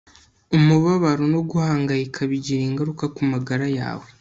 umubabaro no guhangayika bigira ingaruka kumagara yawe